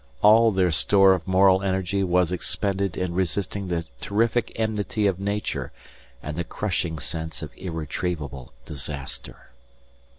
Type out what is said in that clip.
All their store of moral energy was expended in resisting the terrific enmity of Nature and the crushing sense of irretrievable disaster.